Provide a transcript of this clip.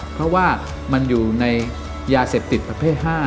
เพราะว่ามันอยู่ในยาเสพติดประเภท๕